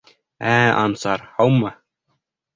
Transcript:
Ә-ә, Ансар, һаумы!